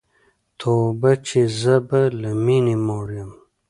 توبه چي زه به له میني موړ یم